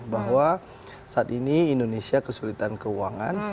bahwa saat ini indonesia kesulitan keuangan